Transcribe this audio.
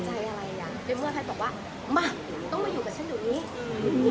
ถ้าไม่ได้แค่ตอบว่ามาต้องมาอยู่กับฉันเดี๋ยวนี้